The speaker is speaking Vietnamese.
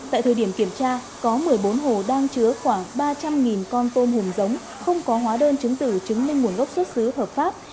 tại thời điểm kiểm tra có một mươi bốn hồ đang chứa khoảng ba trăm linh con tôm hùm giống không có hóa đơn chứng tử chứng minh nguồn gốc xuất xứ hợp pháp